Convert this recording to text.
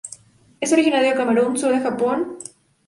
Es originario de Camerún, Sur de Japón a Nansei-shoto.